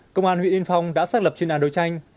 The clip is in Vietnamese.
công an huyện yên phong đã xác lập chuyên đoàn đối tranh